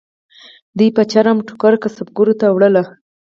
دوی به چرم او ټوکر کسبګرو ته ووړل.